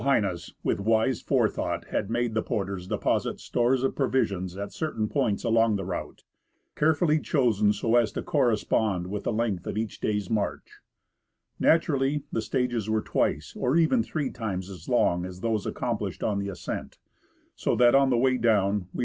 H., with wise forethought, had made the porters deposit stores of provisions at certain points along the route, carefully chosen so as to correspond with the length of each day's march. Naturally, the stages were twice or even three times as long as those accomplished on the ascent ; so that on the way down we only 162 H U < Pi I w CO w I— ) H o CO O o n RETURN FROM MOUNT ST.